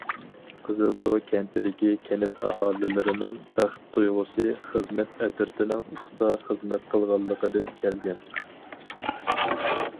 قىزىلتو كەنتىدىكى كەنت ئاھالىلىرىنىڭ بەخت تۇيغۇسى خىزمەت ئەترىتىنىڭ پۇختا خىزمەت قىلغانلىقىدىن كەلگەن.